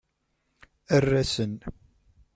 Err-asen.